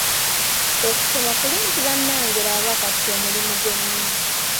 Okusoma kulungi bannange laba kati omulimu gwe nnina.